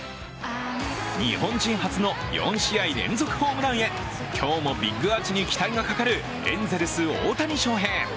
日本人初の４試合連続ホームランへ今日もビッグアーチに期待がかかるエンゼルスの大谷翔平。